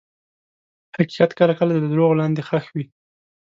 حقیقت کله کله د دروغو لاندې ښخ وي.